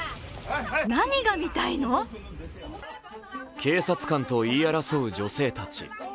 警察官と言い争う女性たち。